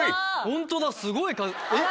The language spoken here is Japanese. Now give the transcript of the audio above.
ホントだすごいえっ。